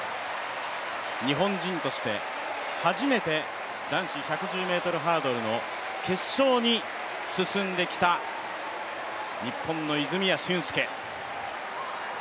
日本人として初めて男子１１０ｍハードルの決勝に進んできた日本の泉谷駿介。